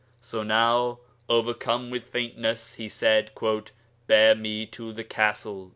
So now, overcome with faintness, he said, "Bear me to the Castle."